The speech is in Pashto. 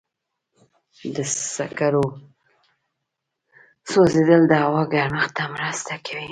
د سکرو سوځېدل د هوا ګرمښت ته مرسته کوي.